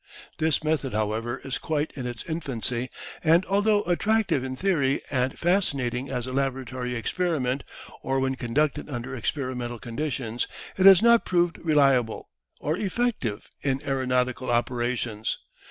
This method, however, is quite in its infancy, and although attractive in theory and fascinating as a laboratory experiment or when conducted under experimental conditions, it has not proved reliable or effective in aeronautical operations.